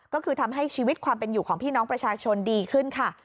ก็คือทำให้ชีวิตความเป็นอยู่ของพี่น้องประชาชนดีขึ้นค่ะ